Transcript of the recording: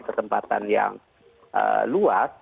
ketempatan yang luas